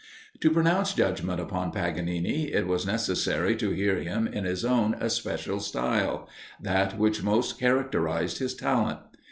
To pronounce judgment upon Paganini, it was necessary to hear him in his own especial style that which most characterized his talent.